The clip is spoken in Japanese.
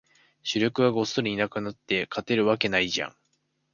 主力がごっそりいなくなって、勝てるわけないじゃん